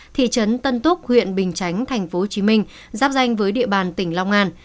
thị trấn tân túc huyện bình chánh tp hcm giáp danh với địa bàn tỉnh long an